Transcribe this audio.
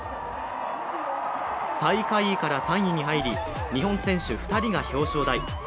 最下位から３位に入り、日本選手２人が表彰台。